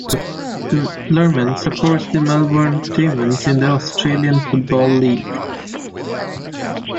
Luhrmann supports the Melbourne Demons in the Australian Football League.